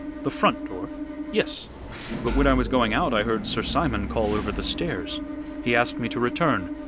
"The front door?" "Yes. But when I was going out I heard Sir Simon call over the stairs. He asked me to return.